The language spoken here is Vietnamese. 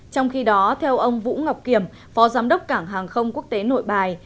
trong khi đó theo ông vũ ngọc kiểm phó giám đốc cảng hàng không quốc tế nội bài